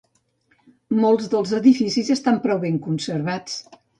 Molts dels edificis estan prou ben conservats.